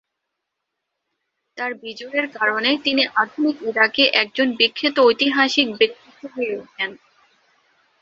তার বিজয়ের কারণে তিনি আধুনিক ইরাকে একজন বিখ্যাত ঐতিহাসিক ব্যক্তিত্ব হয়ে ওঠেন।